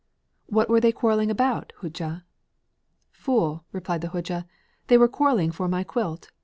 'What were they quarrelling about, Hodja?' 'Fool,' replied the Hodja, 'they were quarrelling for my quilt.